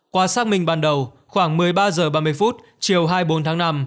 qua xác minh ban đầu khoảng một mươi ba h ba mươi chiều hai mươi bốn tháng năm